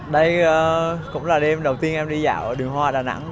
đây cũng là đêm đầu tiên em đi dạo ở đường hoa đà nẵng